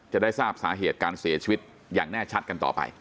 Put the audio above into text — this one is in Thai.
จะได้ทราบสาเหตุการเสียชีวิตอย่างแน่ชัดกันต่อไป